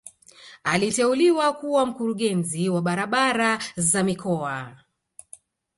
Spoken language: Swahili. Aliteuliwa kuwa mkurugenzi wa barabara za mikoa